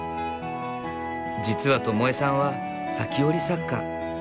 実は智江さんは裂き織り作家。